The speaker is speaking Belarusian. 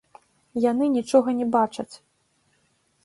Яны нічога не бачаць!